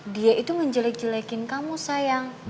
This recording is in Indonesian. dia itu menjelek jelekin kamu sayang